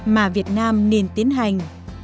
mà việt nam nên tiến hành